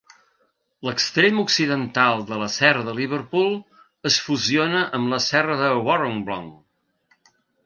L'extrem occidental de la serra de Liverpool es fusiona amb la serra de Warrumbungle.